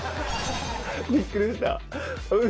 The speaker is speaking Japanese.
びっくりした！